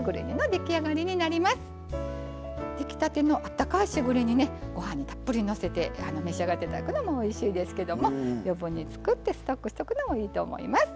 出来たてのあったかいしぐれ煮ねご飯にたっぷりのせて召し上がって頂くのもおいしいですけども余分に作ってストックしとくのもいいと思います。